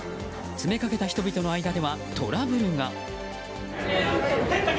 詰めかけた人々の間ではトラブルが。